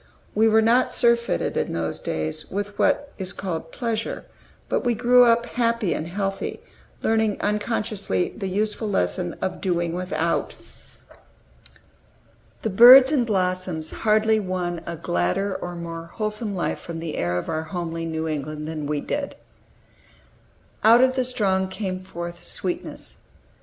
We were not surfeited, in those days, with what is called pleasure; but we grew up happy and healthy, learning unconsciously the useful lesson of doing without. The birds and blossoms hardly won a gladder or more wholesome life from the air of our homely New England than we did. "Out of the strong came forth sweetness."